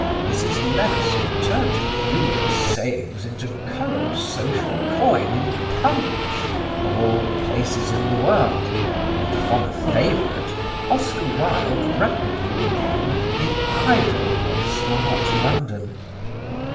Mrs. Leverson turned the humorous sayings into current social coin in Punch, of all places in the world, and from a favourite Oscar Wilde rapidly became the idol of smart London.